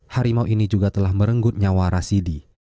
harimau ini juga telah merenggut nyawa rasidi